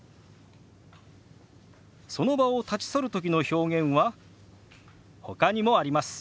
その場を立ち去るときの表現はほかにもあります。